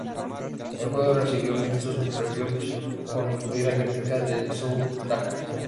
El juego recibió mixtos reviews, que incluía crítica de su soundtrack.